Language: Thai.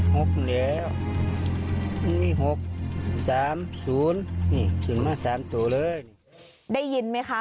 หกเดี๋ยวนี่หกสามศูนย์นี่สิ้นมาสามตัวเลยได้ยินไหมคะ